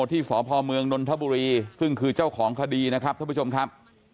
ที่สพเมืองนนทบุรีซึ่งคือเจ้าของคดีนะครับท่านผู้ชมครับ